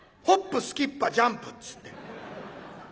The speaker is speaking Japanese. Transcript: ホップすきっ歯ジャンプっつって。